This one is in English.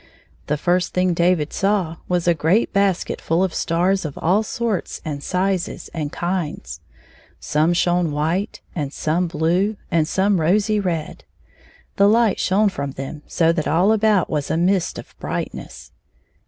The first thing David saw was a great basket ftdl of stars of all sorts and sizes and kinds. Some shone white, and some blue, and some rosy red. The hght shone fi*om them so that all about was a mist of brightness.